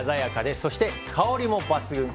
そして香りも抜群。